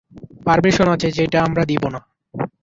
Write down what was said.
Permission আছে, যেইটা আমরা দিবো না।